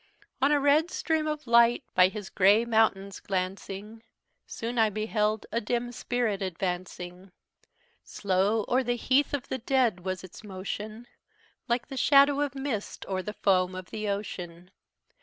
"On a red stream of light, by his gray mountains glancing, Soon I beheld a dim spirit advancing; Slow o'er the heath of the dead was its motion, Like the shadow of mist o'er the foam of the ocean.